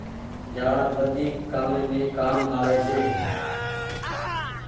جآڙ وڌيڪ ڪآمي مين ڪآم آوي ڇي۔